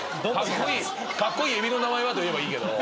カッコイイエビの名前は？といえばいいけど。